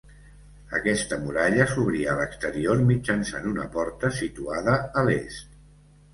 Aquesta muralla s'obria a l'exterior mitjançant una porta situada a l'est.